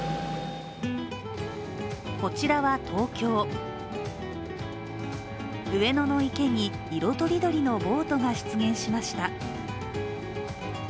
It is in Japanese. こちらは東京、上野の池に色とりどりのボートが出現しました。